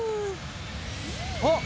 あっ！